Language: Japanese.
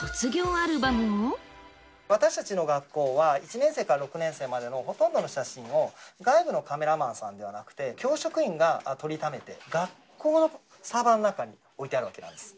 私たちの学校は、１年生から６年生までのほとんどの写真を外部のカメラマンさんではなくて、教職員が撮りためて、学校のサーバーの中に置いてあるわけなんです。